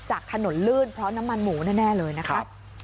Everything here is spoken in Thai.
จากถนนลื่นเพราะน้ำมันหมูแน่เลยนะคะ